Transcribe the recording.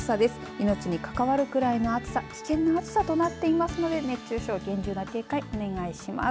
命に関わるくらいの暑さ危険な暑さとなっていますので熱中症厳重な警戒お願いします。